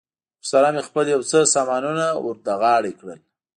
ورسره مې خپل یو څه سامانونه ور له غاړې کړل.